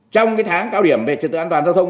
trong tháng cao điểm về trật tự an toàn giao thông